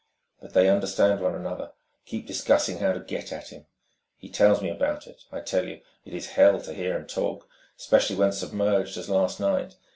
But they understand one another, keep discussing how to get at him.... He tells me about it ... I tell you, it is Hell to hear him talk ... especially when submerged, as last night.